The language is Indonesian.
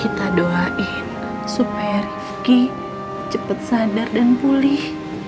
kita doain supaya refki cepet sadar dan pulih